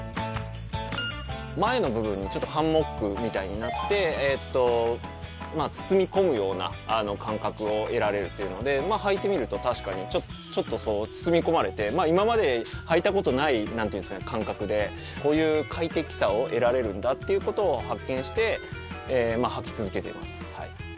前の部分がハンモックみたいになって包み込むような感覚を得られるというのではいてみると確かに包み込まれて今まではいたことがない感覚でこういう快適さを得られるんだってことを発見してはき続けています。